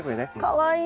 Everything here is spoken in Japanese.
かわいい。